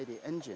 di dalam mesin